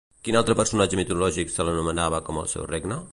Quin altre personatge mitològic se l'anomenava com el seu regne?